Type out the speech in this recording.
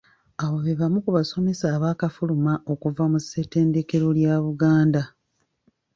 Abo be bamu ku basomesa abaakafuluma okuva mu ssetendekero lya Buganda.